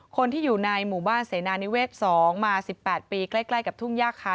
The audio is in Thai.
คนที่อยู่ในหมู่บ้านเสนานิเวศ๒มา๑๘ปีใกล้กับทุ่งย่าคา